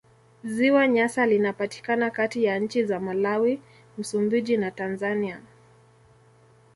Ziwa Nyasa linapatikana kati ya nchi za Malawi, Msumbiji na Tanzania.